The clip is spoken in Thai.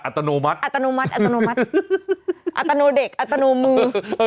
อัตโนเด็กอัตโนมือ